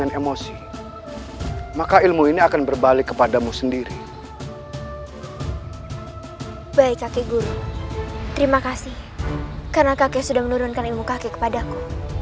terima kasih karena kakek sudah menurunkan ilmu kakek kepadaku